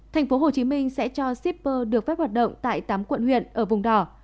thành phố hồ chí minh sẽ cho shipper được phép hoạt động tại tám quận huyện ở vùng đỏ